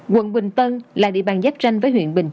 quận bình tân là địa bàn giáp tranh với huyện bình chánh